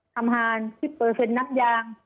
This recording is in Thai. ทำหาร๑๐น้ำยาง